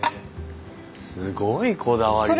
すごいこだわりですね。